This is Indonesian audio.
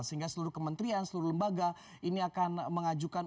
sehingga seluruh kementerian seluruh lembaga ini akan mengajukan